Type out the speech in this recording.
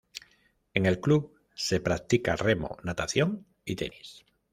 En el club se practica remo, natación y tenis.